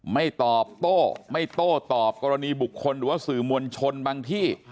ไม่ตอบโต้ไม่โต้ตอบกรณีบุคคลหรือว่าสื่อมวลชนบางที่